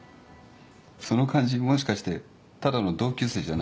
その感じもしかしてただの同級生じゃないよね。